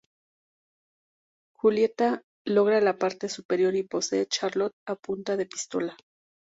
Julieta logra la parte superior y posee Charlotte a punta de pistola.